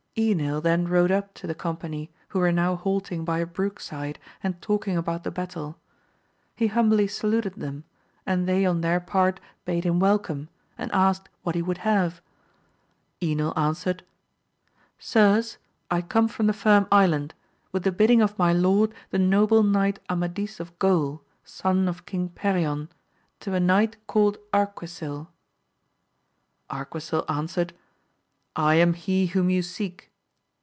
Enil then rode up to the company, who were now halting by a brook side and talking about the battle ; he humbly saluted them, and they on their part bade him welcome, and asked what he would have. Enil answered. Sirs, I come from the Firm Island, with the bidding of my lord the noble Knight Amadis of Gaul, son of King Perion, to a knight called ArquisiL Ar quisil answered, I am he whom you seek.